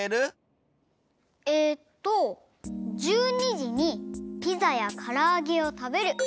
えっと１２じにピザやからあげをたべる。